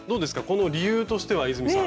この理由としては泉さん？